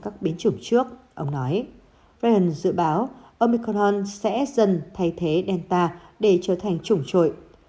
các biến chủng trước ông nói ryan dự báo omicron sẽ dần thay thế delta để trở thành chủng trội